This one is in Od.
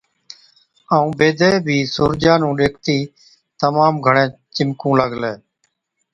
ائُون بيدَي بِي سُورجا نُون ڏيکتِي تمام گھڻَي چمڪُون لاگلَي۔